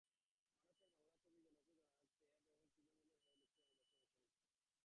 ভারতের বাংলা ছবির জনপ্রিয় নায়ক দেব এবার তৃণমূলের হয়ে লোকসভা নির্বাচনে অংশ নিচ্ছেন।